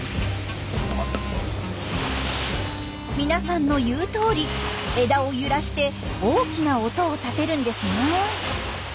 みなさんの言うとおり枝を揺らして大きな音を立てるんですね。